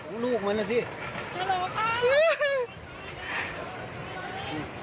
โหลูกมันน่ะสิ